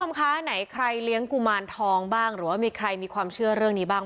ในของข้าใหม่ใครเลี้ยงกูมารทองบ้างหรือว่ามีใครมีความเชื่อเรื่องนี้บ้าง